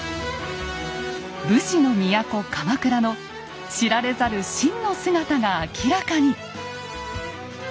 武士の都鎌倉の知られざる真の姿が明らかに！